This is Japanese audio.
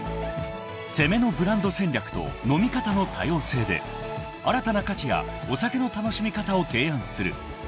［攻めのブランド戦略と飲み方の多様性で新たな価値やお酒の楽しみ方を提案する］